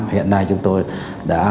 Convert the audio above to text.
hiện nay chúng tôi đã khóa